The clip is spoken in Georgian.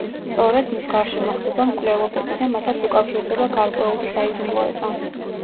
სწორედ, მის გარშემო ხდება მკვლელობები და მასაც უკავშირდება გარკვეული საიდუმლოება.